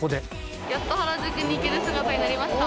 やっと原宿に行ける姿になりました。